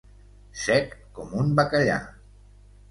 Sec com un bacallà.